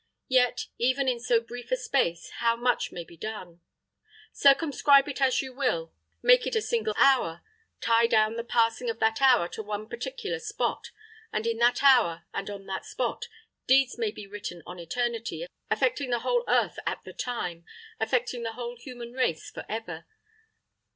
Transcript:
Yet, even in so brief a space, how much may be done. Circumscribe it as you will make it a single hour tie down the passing of that hour to one particular spot; and in that hour, and on that spot, deeds may be written on eternity affecting the whole earth at the time, affecting the whole human race forever.